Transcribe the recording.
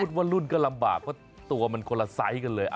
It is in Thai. ว่ารุ่นก็ลำบากเพราะตัวมันคนละไซส์กันเลย